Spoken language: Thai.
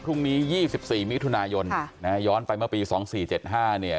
พรุ่งนี้ยี่สิบสี่มิถุนายนค่ะนะฮะย้อนไปเมื่อปีสองสี่เจ็ดห้าเนี้ย